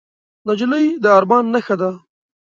نجلۍ د ارمان نښه ده.